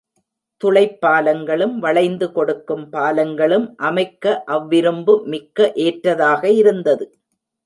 துளைப் பாலங் களும், வளைந்து கொடுக்கும் பாலங்களும் அமைக்க அவ்விரும்பு மிகவும் ஏற்றதாக இருந்தது.